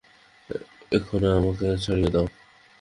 এক্ষণে আমাকে ছাড়িয়া দাও।